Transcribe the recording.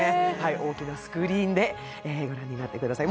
大きなスクリーンでご覧になってください。